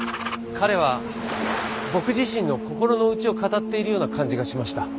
彼は僕自身の心の内を語っているような感じがしました。